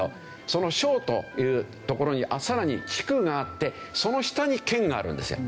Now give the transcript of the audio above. その省というところにさらに地区があってその下に県があるんですよ。